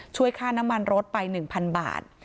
ช่วยค่าน้ำมันรถไป๑๐๐บาท